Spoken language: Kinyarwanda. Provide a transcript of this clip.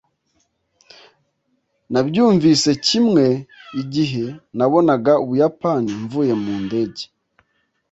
Nabyumvise kimwe igihe nabonaga Ubuyapani mvuye mu ndege